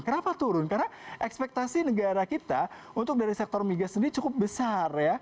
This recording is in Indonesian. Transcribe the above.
kenapa turun karena ekspektasi negara kita untuk dari sektor migas sendiri cukup besar ya